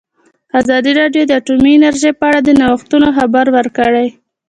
ازادي راډیو د اټومي انرژي په اړه د نوښتونو خبر ورکړی.